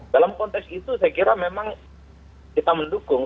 dalam konteks itu saya kira memang kita mendukung